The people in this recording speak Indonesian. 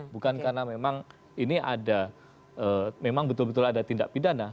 bukan karena memang ini ada memang betul betul ada tindak pidana